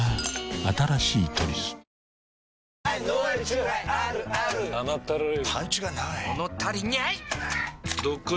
新しい「トリス」あぃ！